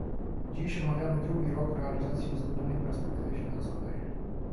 Dziś omawiamy drugi rok realizacji uzgodnionej perspektywy finansowej